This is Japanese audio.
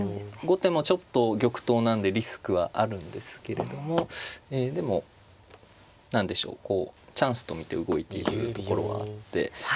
後手もちょっと玉頭なんでリスクはあるんですけれどもえでも何でしょうこうチャンスと見て動いているところがあって。